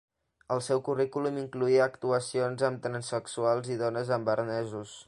El seu currículum incloïa actuacions amb transsexuals i dones amb arnesos.